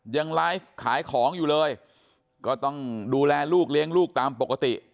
ยังไลฟ์ขายของอยู่เลยก็ต้องดูแลลูกเลี้ยงลูกตามปกติ